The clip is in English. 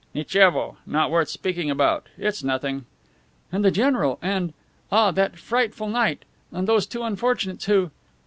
"Nitchevo! Not worth speaking about; it's nothing." "And the general and ! Ah, that frightful night! And those two unfortunates who